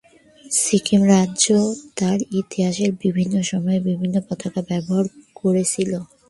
সিকিম রাজ্য তার ইতিহাসের বিভিন্ন সময়ে বিভিন্ন পতাকা ব্যবহার করেছিল।